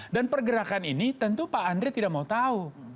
dan pergerakan ini tentu pak andre tidak mau tahu